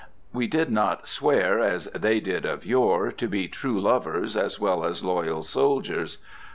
We did not swear, as they did of yore, to be true lovers as well as loyal soldiers.